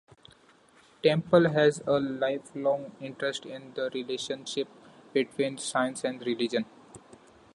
Temple had a lifelong interest in the relationship between science and religion.